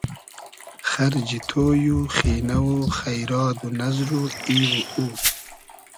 خئرجی تۉی و خینۂ و خݷراد و نئزر و ای و او